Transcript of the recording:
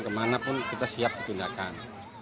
kemana pun kita siap dipindahkan